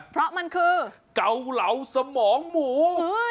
เพราะมันคือเกาเหลาสมองหมู